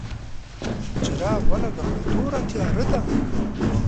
څراغ ولګوه ، توره تیاره ده !